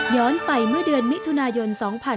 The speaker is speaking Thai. ไปเมื่อเดือนมิถุนายน๒๕๕๙